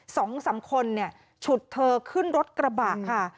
สองสามคนเนี่ยฉุดเธอขึ้นรถกระบะค่ะ